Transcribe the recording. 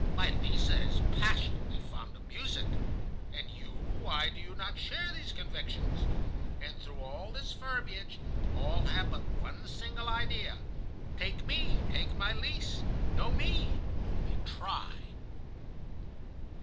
"'My Lise is passionately fond of music.' "'And you, why do you not share these convictions?' "And through all this verbiage, all have but one single idea: 'Take me, take my Lise. No, me! Only try!